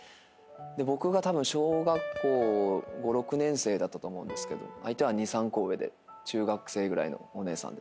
僕がたぶん小学校５６年生だったと思うんですけど相手は２３個上で中学生ぐらいのお姉さんで。